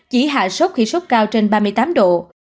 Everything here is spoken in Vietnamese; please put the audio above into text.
chỉ hạ sốt khi sốt cao trên ba mươi tám độ